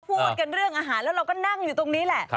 พูดกันเรื่องอาหารแล้วเราก็นั่งอยู่ตรงนี้แหละ